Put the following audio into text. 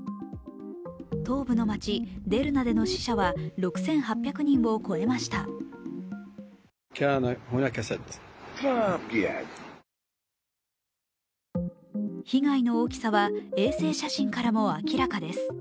東部の町デルナでの死者は６８００人を超えました被害の大きさは衛星写真からも明らかです。